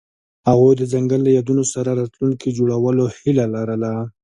هغوی د ځنګل له یادونو سره راتلونکی جوړولو هیله لرله.